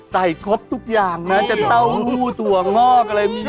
ครบทุกอย่างนะจะเต้าหู้ถั่วงอกอะไรมี